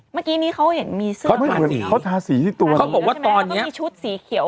เมื่อกี้นี้เขาเห็นมีเสื้อเขาทาสีเขาทาสีที่ตัวเขาบอกว่าตอนนี้มีชุดสีเขียว